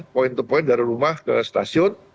poin poin dari rumah ke stasiun